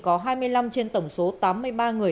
có hai mươi năm trên tổng số tám mươi ba người